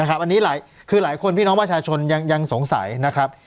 อันนี้คือหลายคนพี่น้องประชาชนยังสงสัยนะครับ